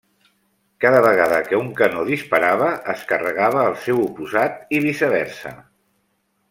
Cada vegada que un canó disparava, es carregava el seu oposat, i viceversa.